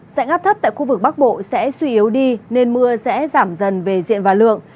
dạnh áp thấp tại khu vực bắc bộ sẽ suy yếu đi nên mưa sẽ giảm dần về diện và lượng